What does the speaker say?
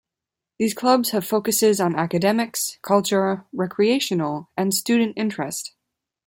These clubs have focuses on academics, culture, recreational, and student interest.